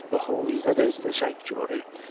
The holies. . .That is, the sanctuary. 8:3.